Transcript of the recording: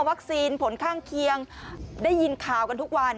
ผลข้างเคียงได้ยินข่าวกันทุกวัน